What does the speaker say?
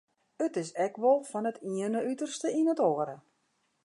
It is ek wol wer fan it iene uterste yn it oare.